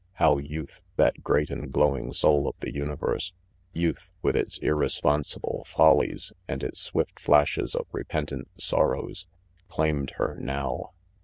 How youth, that great and glowing soul of the universe, youth, with its irresponsible follies and its swift flashes of repentant sorrows, claimed her now!